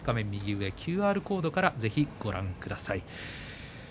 画面右上のＱＲコードからご覧ください。